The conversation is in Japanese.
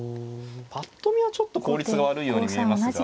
ぱっと見はちょっと効率が悪いように見えますが。